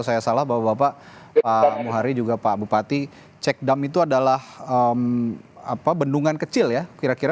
saya salah bapak pak muhari juga pak bupati cekdam itu adalah bendungan kecil ya kira kira